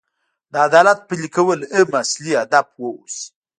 د عدالت پلي کول هم اصلي هدف واوسي.